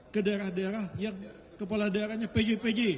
ke daerah daerah yang kepala daerahnya pj pj